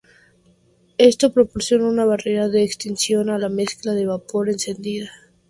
Esto proporciona una barrera de extinción a la mezcla de vapor encendida.